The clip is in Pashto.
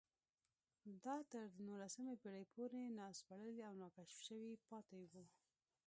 دا تر نولسمې پېړۍ پورې ناسپړلي او ناکشف شوي پاتې وو